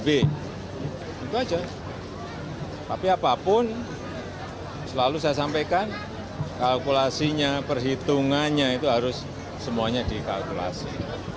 itu aja tapi apapun selalu saya sampaikan kalkulasinya perhitungannya itu harus semuanya dikalkulasi